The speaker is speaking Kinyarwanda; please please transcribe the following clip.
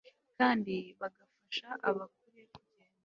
kandi bigafasha abakure kugenda